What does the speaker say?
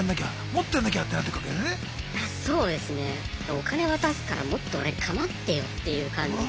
お金渡すからもっとオレ構ってよっていう感じで。